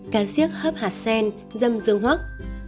cá diếc hấp hạt sen dâm dương hoắc